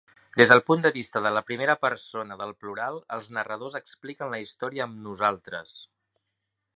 Des del punt de vista de la primera persona del plural, els narradors expliquen la història amb "nosaltres".